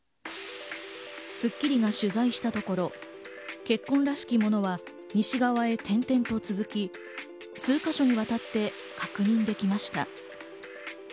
『スッキリ』が取材したところ、血痕らしきものは西側へ点々と続き、数か所にわたって確認できました。